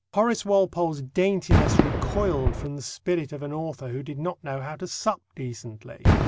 Horace Walpole's daintiness recoiled from the spirit of an author who did not know how to sup decently.